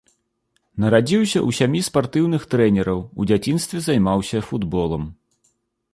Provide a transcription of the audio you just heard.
Нарадзіўся ў сям'і спартыўных трэнераў, у дзяцінстве займаўся футболам.